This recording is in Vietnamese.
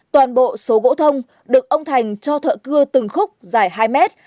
toàn bộ số gỗ thông được ông thành cho thợ cưa từng khúc dài hai mét